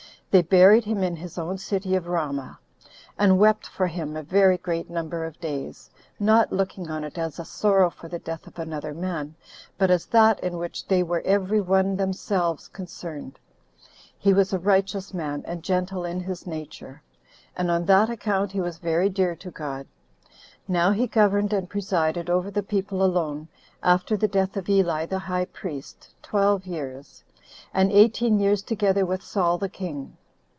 They buried him in his own city of Ramah; and wept for him a very great number of days, not looking on it as a sorrow for the death of another man, but as that in which they were every one themselves concerned. He was a righteous man, and gentle in his nature; and on that account he was very dear to God. Now he governed and presided over the people alone, after the death of Eli the high priest, twelve years, and eighteen years together with Saul the king.